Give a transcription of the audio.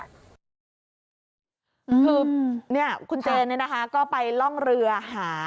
คือเนี่ยคุณเจนเนี่ยนะคะก็ไปร่องเรือหา